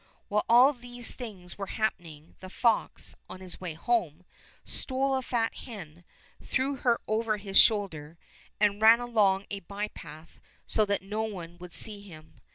While all these things were happening, the fox, on his way home, stole a fat hen, threw her over his shoulder, and ran along a bypath so that no one would see him.